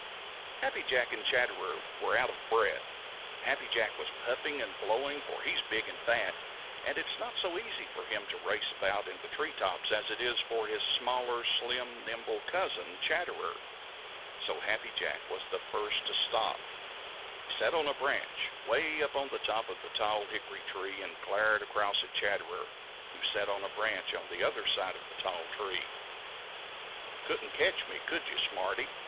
_ Happy Jack and Chatterer were out of breath. Happy Jack was puffing and blowing, for he is big and fat, and it is not so easy for him to race about in the tree tops as it is for his smaller, slim, nimble cousin, Chatterer. So Happy Jack was the first to stop. He sat on a branch 'way up in the top of the tall hickory tree and glared across at Chatterer, who sat on a branch on the other side of the tall tree. "Couldn't catch me, could you, smarty?"